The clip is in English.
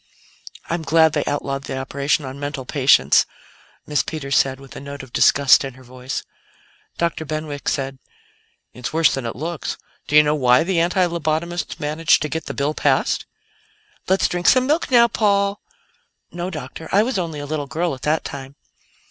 "I'm glad they outlawed the operation on mental patients," Miss Peters said, with a note of disgust in her voice. Dr. Benwick said: "It's worse than it looks. Do you know why the anti lobotomists managed to get the bill passed?" "Let's drink some milk now, Paul. No, Doctor; I was only a little girl at that time."